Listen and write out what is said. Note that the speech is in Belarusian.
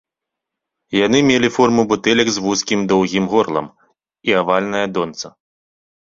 Яны мелі форму бутэлек з вузкім доўгім горлам і авальнае донца.